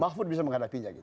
mahfud bisa menghadapinya gitu